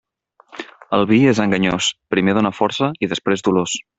El vi és enganyós: primer dóna força i després dolors.